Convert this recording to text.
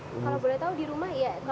kalau boleh tahu di rumah ya